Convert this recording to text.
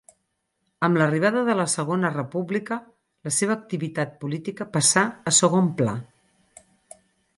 Amb l'arribada de la Segona República la seva activitat política passà a segon pla.